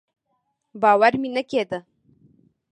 باور مې نه کېده.